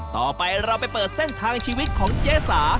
ต่อไปเราไปเปิดเส้นทางชีวิตของเจ๊สา